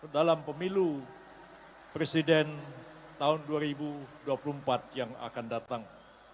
dalam pemilu presiden tahun dua ribu dua puluh empat yang akan datang